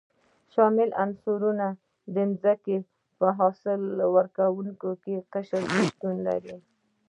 شامل عنصرونه د ځمکې په حاصل ورکوونکي قشر کې شتون لري.